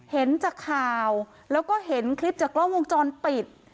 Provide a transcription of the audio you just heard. เห็นจากข่าวแล้วก็เห็นคลิปจากกล้องวงจรปิด